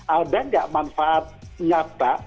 ada gak manfaat nyata